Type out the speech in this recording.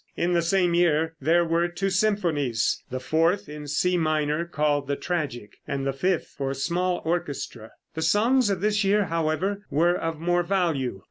In the same year there were two symphonies, the fourth in C minor, called "The Tragic," and the fifth for small orchestra. The songs of this year, however, were of more value.